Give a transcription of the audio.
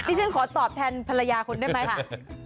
ฉันขอตอบแทนภรรยาคุณได้ไหมค่ะ